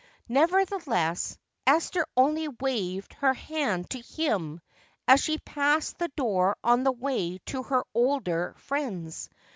Nevertheless, Esther only waved her hand to him as she passed the door on the way to her older friends.